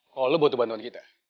kalau lo butuh bantuan kita